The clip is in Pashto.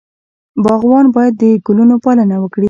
باغوان باید د ګلونو پالنه وکړي.